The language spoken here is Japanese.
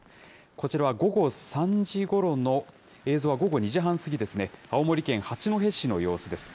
こちらは午後３時ごろの、映像は午後２時半過ぎですね、青森県八戸市の様子です。